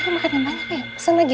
maka makan yang banyak aja